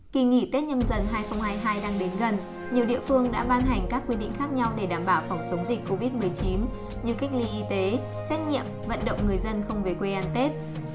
kỳ nghỉ tết nhâm dần hai nghìn hai mươi hai đang đến gần nhiều địa phương đã ban hành các quy định khác nhau để đảm bảo phòng chống dịch covid một mươi chín như cách ly y tế xét nghiệm vận động người dân không về quê ăn tết